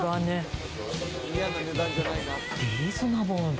リーズナボーね。